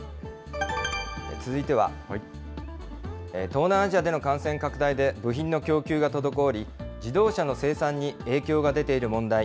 続いては、東南アジアでの感染拡大で部品の供給が滞り、自動車の生産に影響が出ている問題。